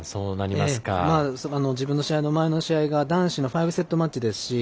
自分の試合の前の試合が男子の５セットマッチですし。